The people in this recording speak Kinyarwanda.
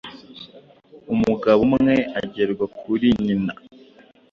umugabo umwe agerwa kuli nyina